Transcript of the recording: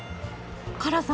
辛さ